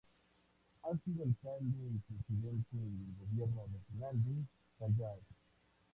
Ha sido alcalde y presidente del Gobierno Regional del Callao.